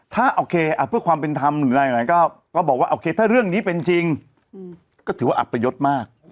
ถ้าโอเคเพื่อความเป็นธรรมหรือหลายก็บอกว่าโอเคถ้าเรื่องนี้เป็นจริงก็ถือว่าอัปยศมาก